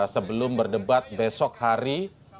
sebelum berdebat besok hari